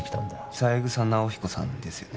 三枝尚彦さんですよね